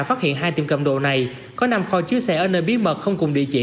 phát hiện hai tiệm cầm đồ này có năm kho chứa xe ở nơi bí mật không cùng địa chỉ